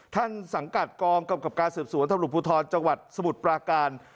สังกัดกองกำกับการสืบสวนตำรวจภูทรจังหวัดสมุทรปราการ